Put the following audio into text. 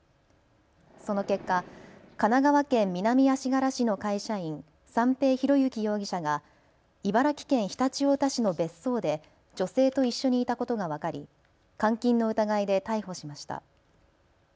その結果、神奈川県南足柄市の会社員、三瓶博幸容疑者が茨城県常陸太田市の別荘で女性と一緒にいたことが分かり監禁の疑いで逮捕しました。